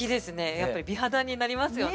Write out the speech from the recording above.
やっぱり美肌になりますよね。